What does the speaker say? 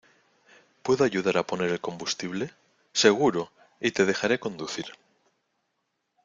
¿ Puedo ayudar a poner el combustible? ¡ seguro! y te dejaré conducir.